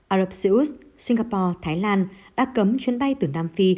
ả rập xê út singapore thái lan đã cấm chuyến bay từ nam phi